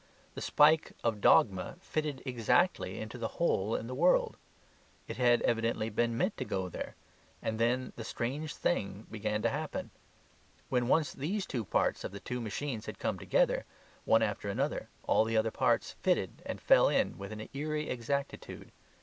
The spike of dogma fitted exactly into the hole in the world it had evidently been meant to go there and then the strange thing began to happen. When once these two parts of the two machines had come together, one after another, all the other parts fitted and fell in with an eerie exactitude.